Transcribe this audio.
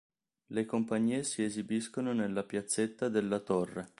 Le compagnie si esibiscono nella piazzetta della "Torre".